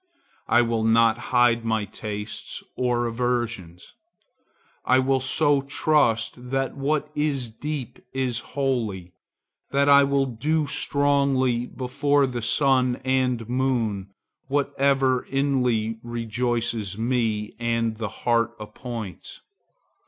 I will not hide my tastes or aversions. I will so trust that what is deep is holy, that I will do strongly before the sun and moon whatever inly rejoices me and the heart appoints.